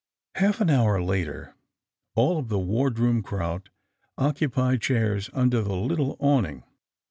Half an hour later all of the ward room crowd occupied chairs under the little awning.